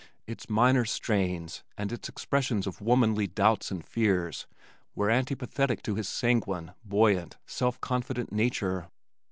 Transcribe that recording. Its minor strains and its expressions of womanly doubts and fears were antipathetic to his sanguine, buoyant, self confident nature.